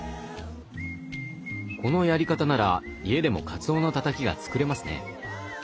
このやり方なら家でもかつおのたたきが作れますね。